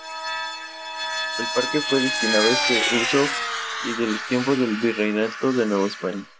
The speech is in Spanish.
El parque fue destinado a este uso desde tiempos del Virreinato de Nueva España.